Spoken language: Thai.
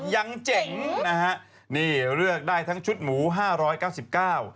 เจ๋งนะฮะนี่เลือกได้ทั้งชุดหมูห้าร้อยเก้าสิบเก้า